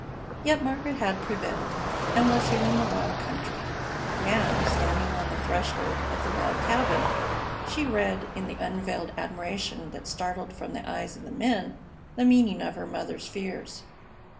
Yet Margaret had prevailed, and was here in the wild country. Now, standing on the threshold of the log cabin, she read, in the unveiled admiration that startled from the eyes of the men, the meaning of her mother's fears.